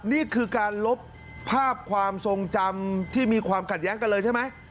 นี่คือการลบภาพความทรงจำที่มีความขัดแย้งกันเลยใช่ไหม